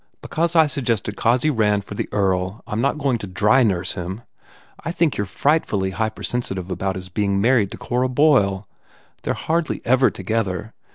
Because I suggested Cossy Rand for the Earl I m not going to drynurse him ! I think you re frightfully hypersensitive about his being married to Cora Boyle. They re hardly ever together.